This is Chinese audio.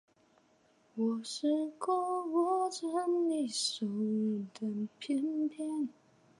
此临朔宫和北苑即隋炀帝在涿郡的离宫兼远征高丽大本营。